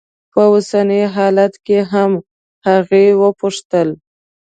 په اوسني حالت کې هم؟ هغې وپوښتل.